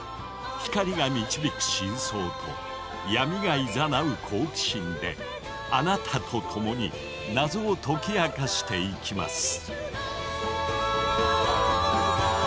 光が導く真相と闇がいざなう好奇心であなたと共に謎を解き明かしていきます。